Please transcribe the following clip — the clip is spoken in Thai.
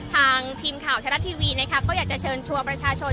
ทางทีมข่าวธรรมดาทีวีนะครับก็อยากจะเชิญชัวร์ประชาชน